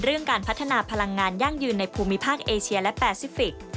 การพัฒนาพลังงานยั่งยืนในภูมิภาคเอเชียและแปซิฟิกส์